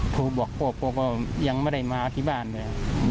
โทรบอกพ่อพ่อก็ยังไม่ได้มาที่บ้านเลย